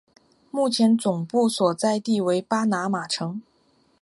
目前总部所在地为巴拿马城。